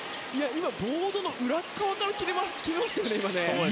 今、ボードの裏側から決めましたよ！